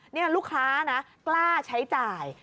นี่ลูกค้านะกล้าใช้จ่าย